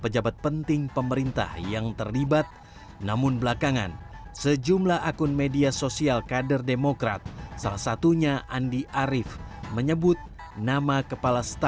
jalan proklamasi jatah pusat